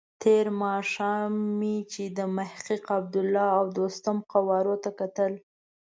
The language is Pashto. تېر ماښام مې چې د محقق، عبدالله او دوستم قوارو ته کتل.